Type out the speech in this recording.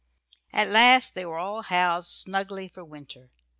At last they were all housed snugly for winter.